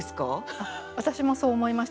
私もそう思いました。